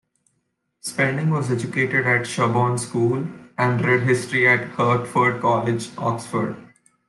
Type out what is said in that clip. Spedding was educated at Sherborne School and read history at Hertford College, Oxford.